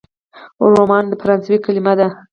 رومان فرانسوي کلمه ده.